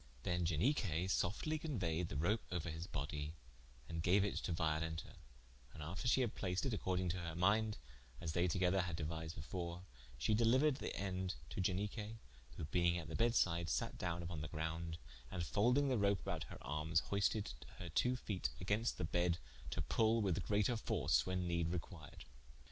Then Ianique softly conueyed the rope ouer his bodye, and gaue it to Violenta, and after she had placed it according to her minde, as they together had deuised before, she deliuered thende to Ianique, who being at the beddes side satte down vpon the grounde, and folding the rope about her armes, hoisted her twoo feete against the bedde to pull with greater force when nede required.